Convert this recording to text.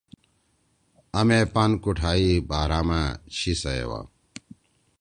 آ مے پان کُوٹھائی بہرامأ چھی سہیوا